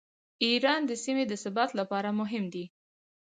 ایران د سیمې د ثبات لپاره مهم دی.